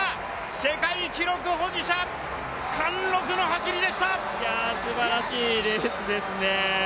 世界記録保持者、貫禄の走りでしたすばらしいレースですね。